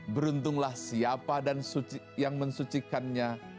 beruntunglah siapa yang mensucikannya